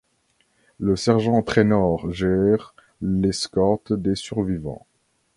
Le sergent Trainor gère l'escorte des survivants.